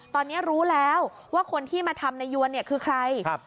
ตอนนี้รู้แล้วว่าคนที่มาทำนายยวนเนี่ยคือใคร